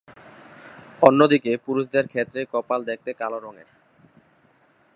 অন্যদিকে পুরুষদের ক্ষেত্রে কপাল দেখতে কালো রঙের।